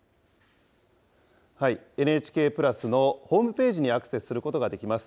ＮＨＫプラスのホームページにアクセスすることができます。